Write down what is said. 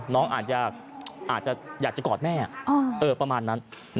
น้องอาจจะกอดแม่ประมาณนั้น